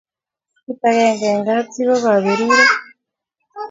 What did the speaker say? kit akenge eng kap chi ko kaberuret